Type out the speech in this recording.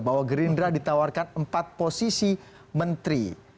bahwa gerindra ditawarkan empat posisi menteri